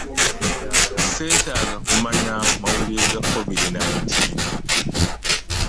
Seetaaga kumanya mawulire ga covid nineteen.